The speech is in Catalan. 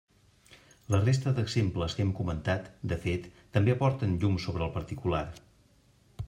La resta d'exemples que hem comentat, de fet, també aporten llum sobre el particular.